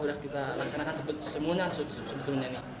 sudah kita laksanakan sebetulnya